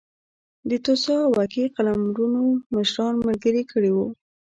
د توسا او اکي قلمرونو مشران ملګري کړي وو.